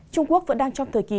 trung quốc vẫn đang trong thời kỳ